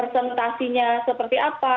terus presentasinya seperti apa